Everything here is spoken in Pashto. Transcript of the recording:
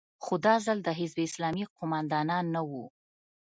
خو دا ځل د حزب اسلامي قومندانان نه وو.